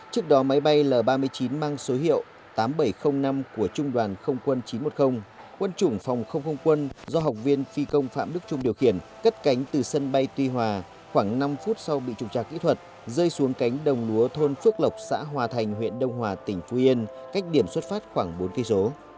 trước đó máy bay l ba mươi chín mang số hiệu tám nghìn bảy trăm linh năm của trung đoàn không quân chín trăm một mươi quân chủng phòng không không quân do học viên phi công phạm đức trung điều khiển cất cánh từ sân bay tuy hòa khoảng năm phút sau bị trục trạc kỹ thuật rơi xuống cánh đồng lúa thôn phước lộc xã hòa thành huyện đông hòa tỉnh phú yên cách điểm xuất phát khoảng bốn km